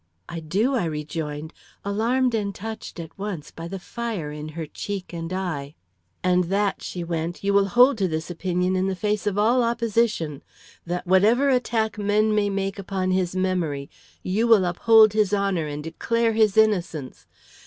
"I do!" I rejoined, alarmed and touched at once by the fire in her cheek and eye. "And that," she went, "you will hold to this opinion in the face of all opposition! That, whatever attack men may make upon his memory, you will uphold his honor and declare his innocence!